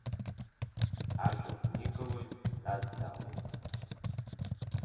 Ажәа гәникылоит, дазҵаауеит.